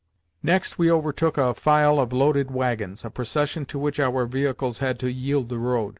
Next we overtook a file of loaded waggons—a procession to which our vehicles had to yield the road.